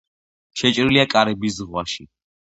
შეჭრილია კარიბის ზღვაში.